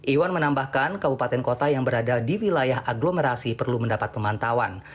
iwan menambahkan kabupaten kota yang berada di wilayah aglomerasi perlu mendapat pemantauan